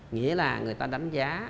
nghĩa là người ta đánh giá